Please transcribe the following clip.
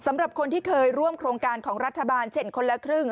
สำหรับคนที่เคยร่วมโครงการของรัฐบาลเช่นคนละครึ่ง